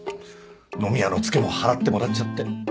飲み屋の付けも払ってもらっちゃって。